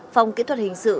phòng kỹ thuật hình sự